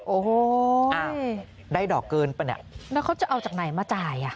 โอ้โหได้ดอกเกินป่ะเนี่ยแล้วเขาจะเอาจากไหนมาจ่ายอ่ะ